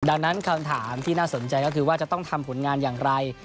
ดังนั้นคำถามที่น่าสนใจก็คือว่าจะต้องทำผลงานอย่างไร